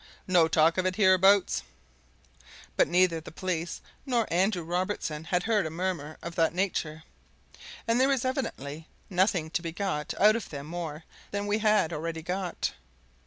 "No talk of it hereabouts?" But neither the police nor Andrew Robertson had heard a murmur of that nature, and there was evidently nothing to be got out of them more than we had already got.